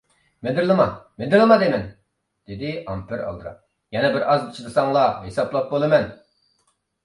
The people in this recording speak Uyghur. -مىدىرلىما، مىدىرلىما دەيمەن! -دېدى ئامپېر ئالدىراپ، -يەنە بىر ئاز چىدىساڭلا ھېسابلاپ بولىمەن!